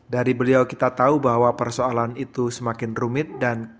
dari beliau kita tahu bahwa persoalan itu semakin rumit